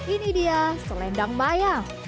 ini dia selendang mayang